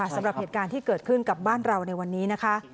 สำหรับเหตุการณ์ที่เกิดขึ้นกับบ้านเราในวันนี้นะคะ